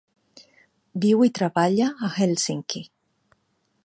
Viu i treballa a Hèlsinki.